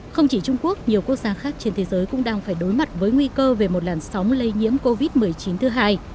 không chỉ trung quốc nhiều quốc gia khác trên thế giới cũng đang phải đối mặt với nguy cơ về một làn sóng lây nhiễm covid một mươi chín thứ hai